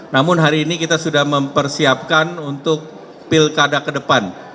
namun hari ini kita sudah mempersiapkan untuk pilkada ke depan